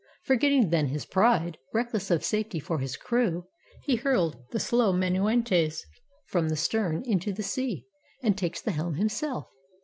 Forgetting then His pride, reckless of safety for his crew, He hurled the slow Menoetes from the stem Into the sea, and takes the helm himself.